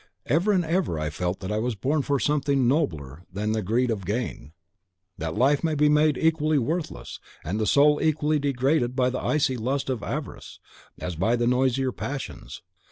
Ever and ever I felt that I was born for something nobler than the greed of gain, that life may be made equally worthless, and the soul equally degraded by the icy lust of avarice, as by the noisier passions.